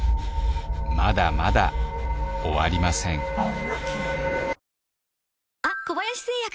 まだまだ終わりませんんっん！